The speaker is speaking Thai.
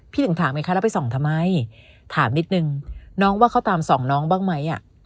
ถึงถามไงคะแล้วไปส่องทำไมถามนิดนึงน้องว่าเขาตามส่องน้องบ้างไหม